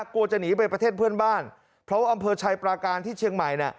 กลัวจะหนีไปประเทศเพื่อนบ้านเพราะว่าอำเภอชัยปราการที่เชียงใหม่เนี่ย